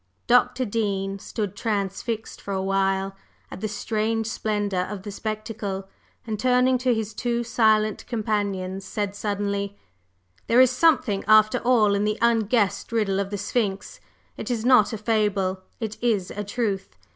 Dr. Dean stood transfixed for a while at the strange splendor of the spectacle, and turning to his two silent companions, said suddenly: "There is something, after all, in the unguessed riddle of the Sphinx. It is not a fable; it is a truth.